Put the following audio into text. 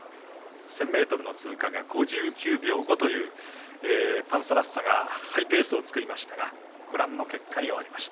１０００ｍの通過が５９秒５というパンサラッサがハイペースを作りましたがご覧の結果に終わりました。